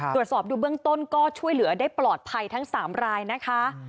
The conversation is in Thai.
ตรวจสอบดูเบื้องต้นก็ช่วยเหลือได้ปลอดภัยทั้ง๓รายนะคะ